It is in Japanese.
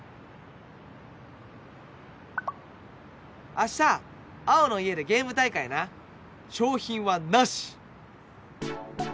「明日青の家でゲーム大会な商品はなし！」。